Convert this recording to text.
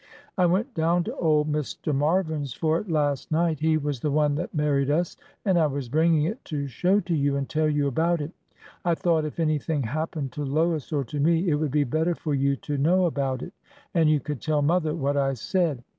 " I went down to old Mr. Marvin's for it last night, — he was the one that married us, — and I was bringing it to show to you and tell you about it. I thought, if anything happened to Lois or to me, it would be better for you to know about it, and you could tell mother what I said.